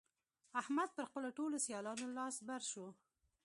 احمد پر خپلو ټولو سيالانو لاس بر شو.